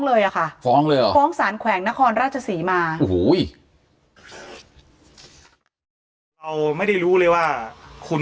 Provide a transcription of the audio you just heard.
เลยค่ะฟ้องสารแขวงนครราชศรีมาโอ้โหไม่ได้รู้เลยว่าคุณ